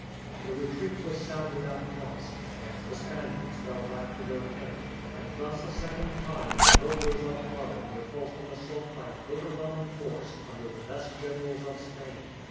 The retreat was sounded at once, and the Spaniards fell back to their camp, and thus a second time the burghers of Haarlem repulsed an assault by an overwhelming force under the best generals of Spain.